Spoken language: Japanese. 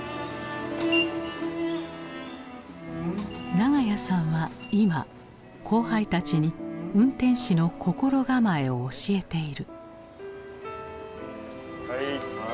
長屋さんは今後輩たちに運転士の心構えを教えている。